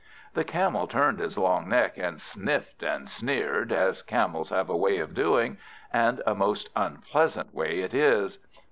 The Camel turned his long neck, and sniffed and sneered as Camels have a way of doing, and a most unpleasant way it is.